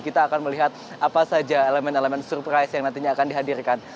kita akan melihat apa saja elemen elemen surprise yang nantinya akan dihadirkan